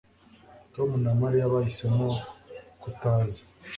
Tom na Mariya bahisemo kutaza